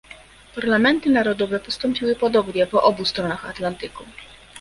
Parlamenty narodowe postąpiły podobnie po obu stronach Atlantyku